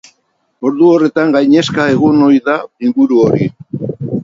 Ordu horretan gainezka egon ohi da inguru hori.